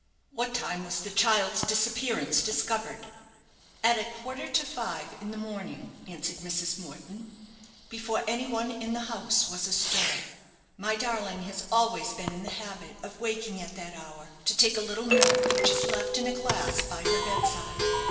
"What time was the child's disappearance discovered?" "At a quarter to five in the morning," answered Mrs. Morden; "before any one in the house was a stir. My darling has always been in the habit of waking at that hour, to take a little milk, which is left in a glass by her bedside.